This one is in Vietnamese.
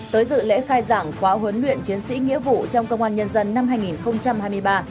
tới dự lễ khai giảng khóa huấn luyện chiến sĩ nghĩa vụ trong công an nhân dân năm hai nghìn hai mươi ba